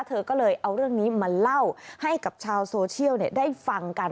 เธอก็เลยเอาเรื่องนี้มาเล่าให้กับชาวโซเชียลได้ฟังกัน